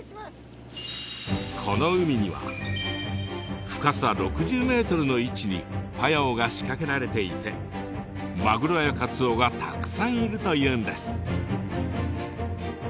この海には深さ６０ｍの位置にパヤオが仕掛けられていてマグロやカツオがたくさんいるというんです。